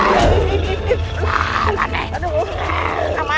lagi terlalu lama